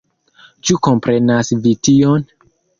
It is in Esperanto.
Ĉu komprenas vi tion?